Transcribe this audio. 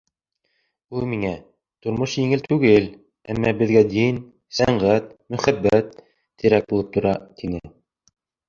Ул миңә, тормош еңел түгел, әммә беҙгә дин, сәнғәт, мөхәббәт терәк булып тора, тине.